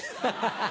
ハハハ。